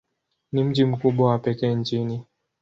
Ni mji mkubwa wa pekee nchini.